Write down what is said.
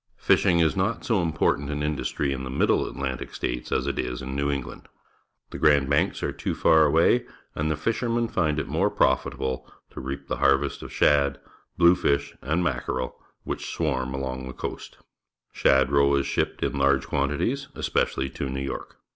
Fishing is not so important an industry in the Middle Atlantic States as it is in New England. The Grand Banks are too far away, and the fishermen find it more profit able to reap the harvest of shad, bluefish, and mackerel which swarm along the coast. Shad^e^fe' shipped in large quantities, especially to New York.